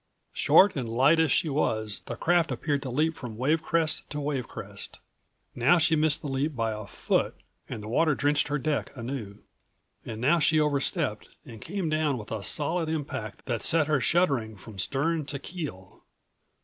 Short and light as she was, the craft appeared to leap from wave crest to wave crest. Now she missed the leap by a foot and the water drenched her deck anew. And now she overstepped and came down with a solid impact that set her shuddering from stern to keel.